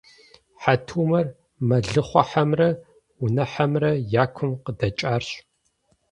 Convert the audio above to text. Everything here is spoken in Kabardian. Хьэ тумэр мэлыхъуэхьэмрэ унэхьэмрэ я кум къыдэкӀарщ.